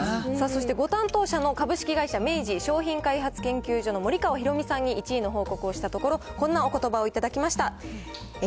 そしてご担当者の株式会社明治商品開発研究所の森川裕美さんに１位の報告をしたところ、こんなおことばを頂きました。